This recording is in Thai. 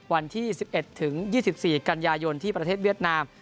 วันที่๑๑๒๔กันยายนที่ประเทศเวียดนาม